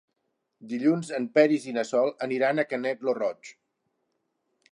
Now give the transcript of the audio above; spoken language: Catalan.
Dilluns en Peris i na Sol aniran a Canet lo Roig.